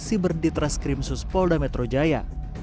siber ditra skrimsus polda metro jaya